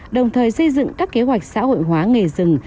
đồng thời xây dựng các kế hoạch xã hội hóa nghề rừng